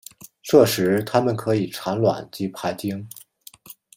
这时它们可以产卵及排精。